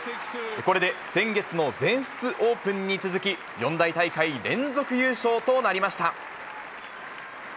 これで先月の全仏オープンに続き、四大大会連続優勝となりました。